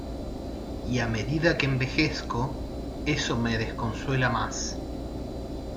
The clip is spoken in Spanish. y a medida que envejezco, eso me desconsuela más.